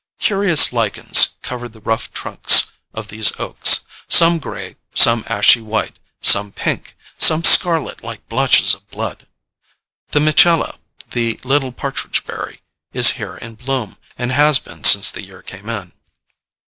Curious lichens cover the rough trunks of these oaks some gray, some ashy white, some pink, some scarlet like blotches of blood. The Mitchella, the little partridge berry, is here in bloom, and has been since the year came in.